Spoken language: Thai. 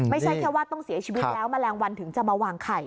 ไม่ใช่แค่ว่าต้องเสียชีวิตแล้วแมลงวันถึงจะมาวางไข่